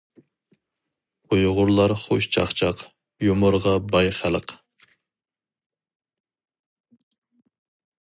ئۇيغۇرلار خۇش چاقچاق، يۇمۇرغا باي خەلق.